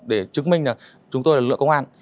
để chứng minh là chúng tôi là lực lượng công an